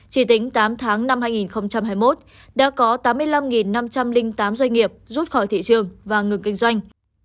chỉ tính tám tháng năm hai nghìn hai mươi một đã có tám mươi năm năm trăm linh tám doanh nghiệp rút khỏi thị trường và ngừng kinh doanh